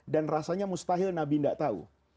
dan rasanya mustahil nabi tidak tahu